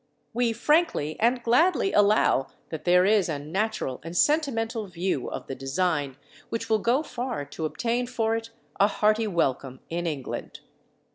We frankly and gladly allow that there is a natural and sentimental view of the design which will go far to obtain for it a hearty welcome in England.